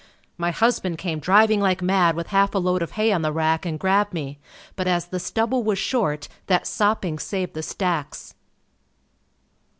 My husband came driving like mad with half a load of hay on the rack and grabbed me but as the stubble was short that sopping saved the stacks.